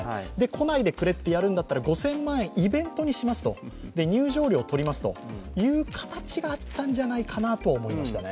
来ないでくれとやるんだったら、５０００万円、イベントにしますと、入場料とりますという価値はあったんじゃないかなと思いました。